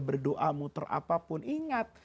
berdoa muter apapun ingat